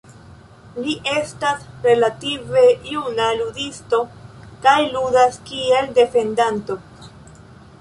Li estas relative juna ludisto kaj ludas kiel defendanto.